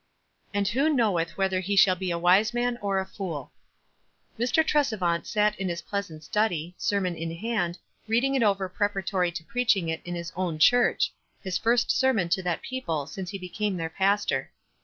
"And who knoweth whether he shall be a wise man or a fooL" Mr. Tresevant sat in his pleasant study, sermon in hand, reading it over preparatory to preaching it in his own church — his first sermon to that people since he became their pastor.